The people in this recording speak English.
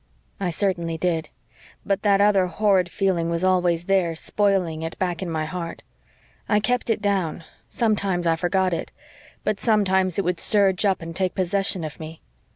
"I certainly did. But that other horrid feeling was always there, spoiling it, back in my heart. I kept it down sometimes I forgot it but sometimes it would surge up and take possession of me.